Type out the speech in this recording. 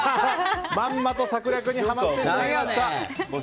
まんまと策略にはまってしまいました。